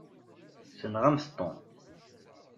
Tenɣamt Tom?